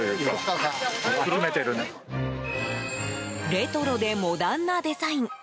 レトロでモダンなデザイン。